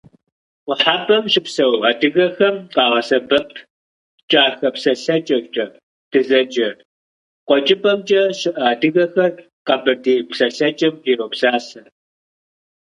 Къухьэпӏэм щыпсэу адыгэхэм къагъэсэбэп кӏахэ псэлъэкӏэкӏэ дызэджэр, къуэкӏыпӏэмкӏэ щыӏэ адыгэхэр къэбэрдей псэлъэкӏэм иропсалъэ.